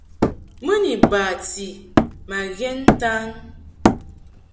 Mɨ ni bati ma ghɛn ntan.